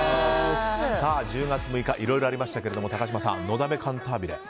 １０月６日いろいろありましたが高嶋さん「のだめカンタービレ」。